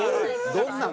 どんなん？